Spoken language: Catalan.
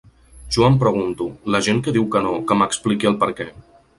Jo em pregunto: la gent que diu que no, que m’expliqui el perquè.